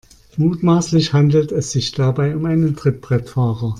Mutmaßlich handelt es sich dabei um einen Trittbrettfahrer.